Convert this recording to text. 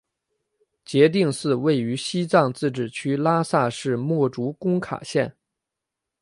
杰定寺位于西藏自治区拉萨市墨竹工卡县。